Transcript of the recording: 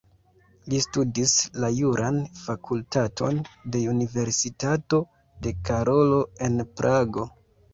Li studis la juran fakultaton de Universitato de Karolo en Prago.